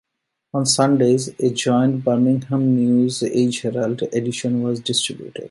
On Sundays, a joint "Birmingham News Age-Herald" edition was distributed.